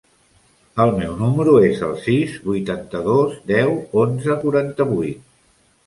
El meu número es el sis, vuitanta-dos, deu, onze, quaranta-vuit.